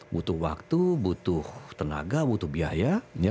butuh waktu butuh tenaga butuh biaya